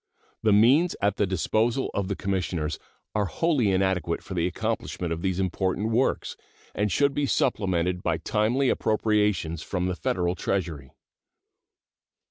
The means at the disposal of the Commissioners are wholly inadequate for the accomplishment of these important works, and should be supplemented by timely appropriations from the Federal Treasury.